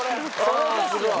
それですよ。